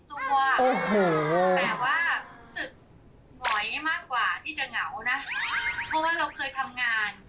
แต่ว่ารู้สึกหงอยมากกว่าที่จะเหงานะเพราะว่าเราเคยทำงาน